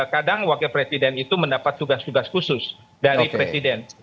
kadang wakil presiden itu mendapat tugas tugas khusus dari presiden